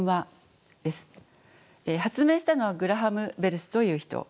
発明したのはグラハム・ベルという人。